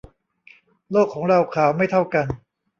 โลกของเราขาวไม่เท่ากัน